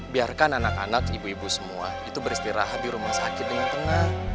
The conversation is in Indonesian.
biarkan anak anak ibu ibu semua itu beristirahat di rumah sakit dengan tenang